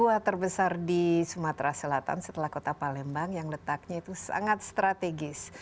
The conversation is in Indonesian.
gempa terbesar di sumatera selatan setelah kota palembang yang letaknya itu sangat strategis